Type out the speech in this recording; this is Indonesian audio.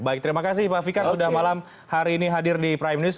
baik terima kasih pak fikar sudah malam hari ini hadir di prime news